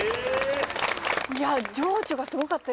いや情緒がすごかったですね